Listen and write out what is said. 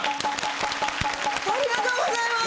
ありがとうございます。